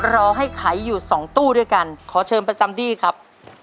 รอให้ไขอยู่สองตู้ด้วยกันขอเชิญประจำที่ครับ